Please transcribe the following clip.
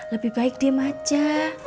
lebih baik diam saja